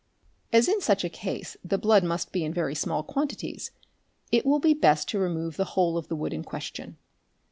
As in such a case the blood must be in very small quantities it will be best to remove the whole of the wood in question.